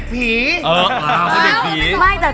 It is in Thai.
แต่ถ้าผิดพี่ขอโทษ